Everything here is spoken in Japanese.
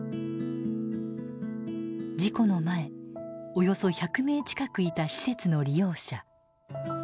事故の前およそ１００名近くいた施設の利用者。